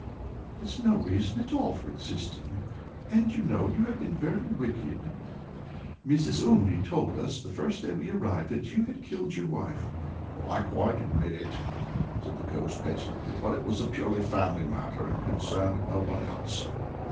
"It is no reason at all for existing, and you know you have been very wicked. Mrs. Umney told us, the first day we arrived here, that you had killed your wife." "Well, I quite admit it," said the ghost, petulantly, "but it was a purely family matter and concerned no one else."